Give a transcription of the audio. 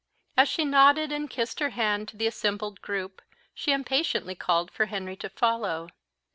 As she nodded and kissed her hand to the assembled group, she impatiently called to Henry to follow.